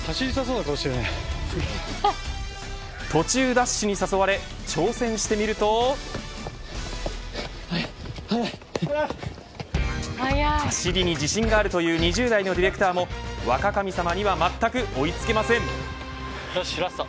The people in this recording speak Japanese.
途中ダッシュに誘われ挑戦してみると走りに自信があるという２０代のディレクターも若神様にはまったく追いつけません。